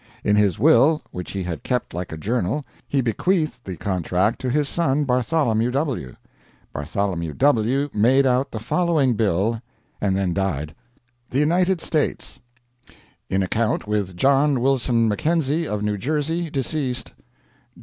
In his will, which he had kept like a journal, he bequeathed the contract to his son Bartholomew W. Bartholomew W. made out the following bill, and then died: THE UNITED STATES In account with JOHN WILSON MACKENZIE, of New Jersey, deceased